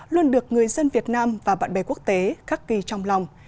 luôn được người dân việt nam và bạn bè quốc tế khắc kỳ trong lòng